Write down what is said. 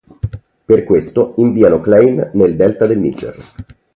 Per questo inviano Klein nel Delta del Niger.